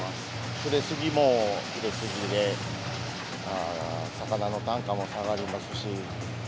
釣れ過ぎも釣れ過ぎで、魚の単価も下がりますし。